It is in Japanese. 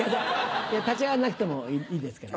立ち上がらなくてもいいですから。